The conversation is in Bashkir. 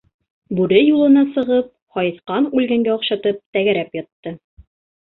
Бүре юлына сығып, һайыҫҡан үлгәнгә оҡшатып тәгәрәп ятты.